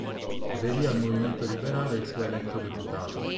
Aderì al movimento liberale e fu eletto deputato.